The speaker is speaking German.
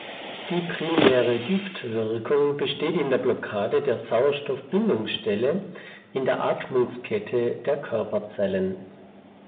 Die primäre Giftwirkung besteht in der Blockade der Sauerstoff-Bindungsstelle in der Atmungskette der Körperzellen.